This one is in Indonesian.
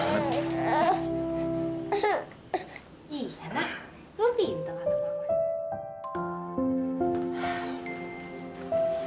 iya nak ngerti bentar anak mama